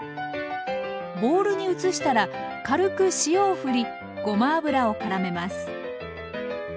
ボウルに移したら軽く塩をふりごま油をからめます。